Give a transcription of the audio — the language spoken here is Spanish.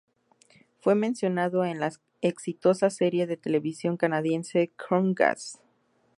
Fue mencionado en la exitosa serie de televisión canadiense, "Corner Gas".